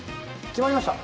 決まりました。